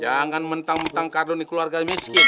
jangan mentang mentang kardun ini keluarga miskin ya